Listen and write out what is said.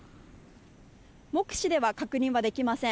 目視では確認はできません。